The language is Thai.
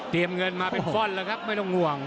เตรียมเงินมาเป็นฟอนด์เลยครับไม่ต้องห่วง